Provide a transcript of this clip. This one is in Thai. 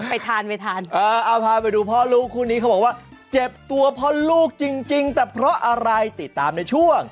ไปทานไปทานเออเอาพาไปดูพ่อลูกคู่นี้เขาบอกว่าเจ็บตัวพ่อลูกจริงแต่เพราะอะไรติดตามในช่วง